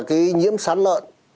cái nhiễm sán lợn